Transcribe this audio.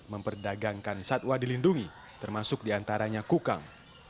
memperdagangkan satwa dilindungi termasuk diantaranya kukang